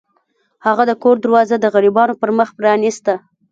هغه د کور دروازه د غریبانو پر مخ پرانیسته.